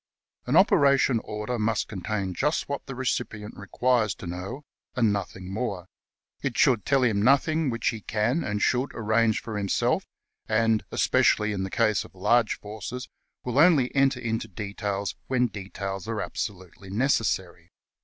" An operation order must contain just what the recipient requires to know and nothing more. It should tell him nothing which he can and should arrange for himself, and, especially in the case of large forces, will only enter into details when details are absolutely necessary.